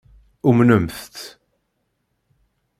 Umnent-t.